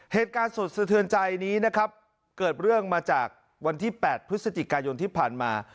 เหตุการณ์สุดสะเทือนใจนี้นะครับเกิดเรื่องมาจากวันที่๘พฤศจิกายนที่ผ่านมา